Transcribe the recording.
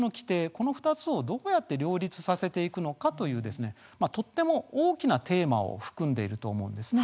この２つをどうやって両立させていくのかというとても大きなテーマを含んでいると思うんです。